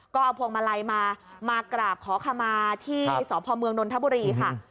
ก็เอาพวงมาลัยมามากราบขอขมาที่สพเมืองนนทบุรีค่ะ